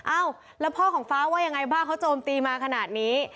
อ้าวแล้วพ่อของฟ้าว่ายังไงบ้างเขาโจมตีมาขนาดนี้